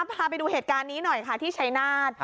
พาไปดูเหตุการณ์นี้หน่อยค่ะที่ชัยนาธ